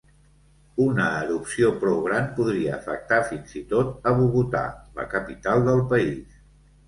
Una erupció prou gran podria afectar fins i tot a Bogotà, la capital del país.